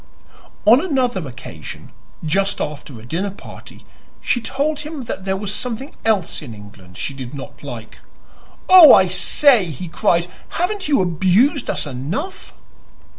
On another occasion just after a dinner party she told him that there was something else in England she did not like. "Oh, I say!" he cried, "haven't you abused us enough?"